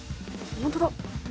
本当だ。